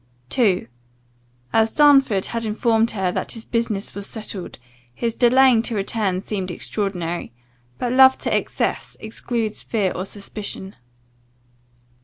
II. "As Darnford had informed her that his business was settled, his delaying to return seemed extraordinary; but love to excess, excludes fear or suspicion."